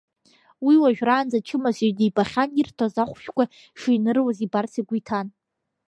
Уи уажәраанӡа ачымазаҩ дибахьан, ирҭоз ахәшәқәа шиныруаз ибарц игәы иҭан.